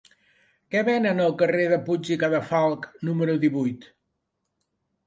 Què venen al carrer de Puig i Cadafalch número divuit?